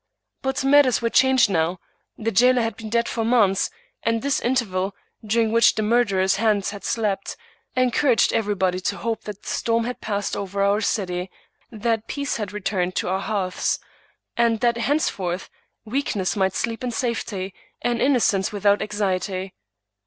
But mat ters were changed now; the jailer had been dead for months, and this interval, during which the murderer's hand had slept, encouraged everybody to hope that the storm had passed over our city; that peace had returned to our hearths; and that henceforth weakness might sleep in safety, and innocence without anxiety.